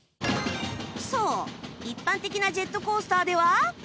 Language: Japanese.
そう一般的なジェットコースターでは